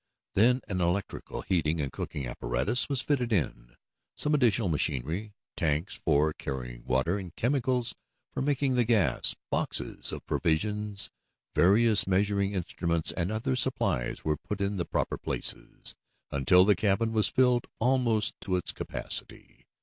Then an electrical heating and cooking apparatus was fitted in; some additional machinery, tanks for carrying water, and chemicals for making the gas, boxes of provisions, various measuring instruments and other supplies were put in the proper places, until the cabin was filled almost to its capacity.